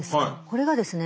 これがですね